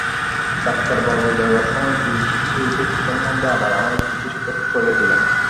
ডাক্তারবাবু যাইবার সময় দুই শিশি ঔষধ সম্বন্ধে আবার আমার স্ত্রীকে সতর্ক করিয়া দিলেন।